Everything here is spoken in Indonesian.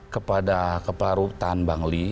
kepada kepala rutan bangli